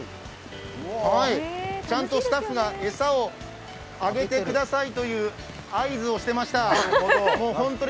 ちゃんとスタッフが餌をあげてくださいという合図をしてました。